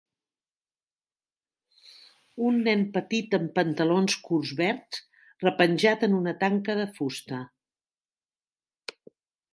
Un nen petit amb pantalons curts verds repenjat en una tanca de fusta.